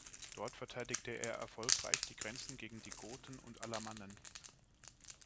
Dort verteidigte er erfolgreich die Grenzen gegen die Goten und Alamannen.